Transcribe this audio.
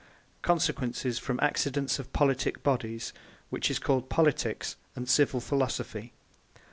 Consequences from the Accidents of Politique Bodies; which is called POLITIQUES, and CIVILL PHILOSOPHY 1.